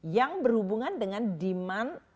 yang berhubungan dengan demand